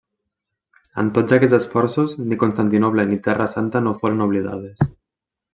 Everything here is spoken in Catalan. En tots aquests esforços, ni Constantinoble ni Terra Santa no foren oblidades.